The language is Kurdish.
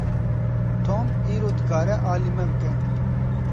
Tom îro dikare alî me bike.